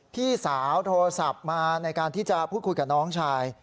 พี่สาวโทรศัพท์มาในการที่จะพูดคุยกับน้องชาย